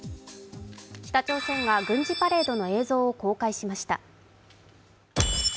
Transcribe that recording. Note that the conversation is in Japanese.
北朝鮮が軍事パレードの映像を公開しました。